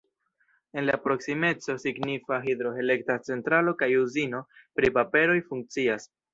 En la proksimeco signifa hidroelektra centralo kaj uzino pri paperoj funkcias.